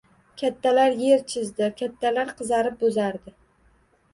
Kattalar yer chizdi. Kattalar qizarib-bo‘zardi.